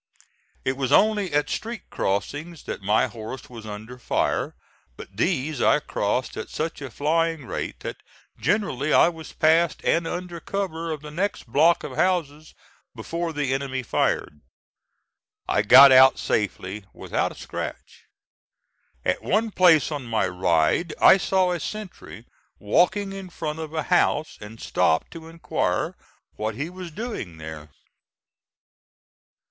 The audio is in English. It was only at street crossings that my horse was under fire, but these I crossed at such a flying rate that generally I was past and under cover of the next block of houses before the enemy fired. I got out safely without a scratch. At one place on my ride, I saw a sentry walking in front of a house, and stopped to inquire what he was doing there.